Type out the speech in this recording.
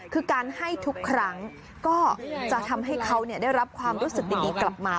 คือการให้ทุกครั้งก็จะทำให้เขาได้รับความรู้สึกดีกลับมา